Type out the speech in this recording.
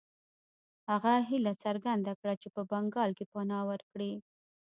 هغه هیله څرګنده کړه په بنګال کې پناه ورکړي.